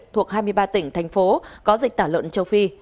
thuộc hai mươi ba tỉnh thành phố có dịch tả lợn châu phi